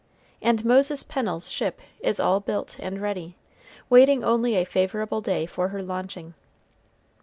And Moses Pennel's ship is all built and ready, waiting only a favorable day for her launching.